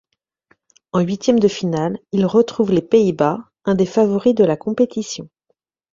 En huitième de finale, ils retrouvent les Pays-Bas, un des favoris de la compétition.